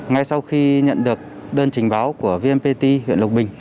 ngay sau khi nhận được đơn trình báo của vnpt huyện lộc bình